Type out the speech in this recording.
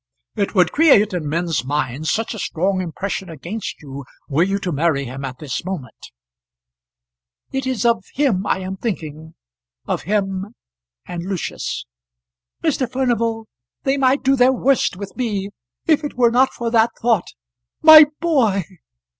"It would create in men's minds such a strong impression against you, were you to marry him at this moment!" "It is of him I am thinking; of him and Lucius. Mr. Furnival, they might do their worst with me, if it were not for that thought. My boy!"